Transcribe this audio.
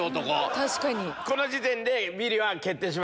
確かに。